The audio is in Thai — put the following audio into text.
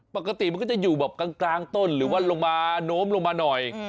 ปกติมันก็จะอยู่แบบกลางต้นหรือว่าลงมาโน้มลงมาหน่อย